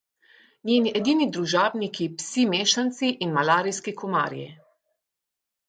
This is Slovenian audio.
Njegovi edini družabniki, psi mešanci in malarijski komarji.